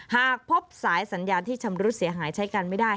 หากพบสายสัญญาณที่ชำรุดเสียหายใช้กันไม่ได้